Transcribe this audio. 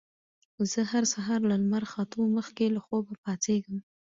زه هر سهار له لمر ختو مخکې له خوبه پاڅېږم